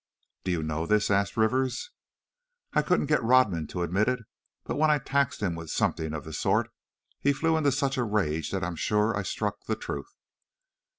"Do you know this?" asked Rivers. "I couldn't get Rodman to admit it, but when I taxed him with something of the sort, he flew into such a rage that I'm sure I struck the truth."